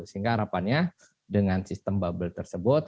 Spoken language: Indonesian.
sehingga harapannya dengan sistem bubble tersebut